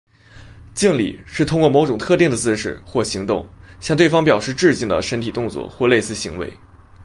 敬礼是通过某种特定的姿势或行动向对方表示致敬的身体动作或类似行为。